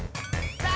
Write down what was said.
さあ！